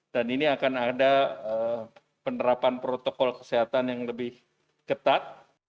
dan ini akan ada penerapan protokol kesehatan yang lebih ketat